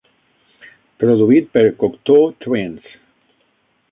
Produït per Cocteau Twins.